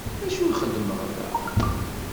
D acu xeddmeɣ da?